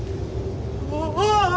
ああ！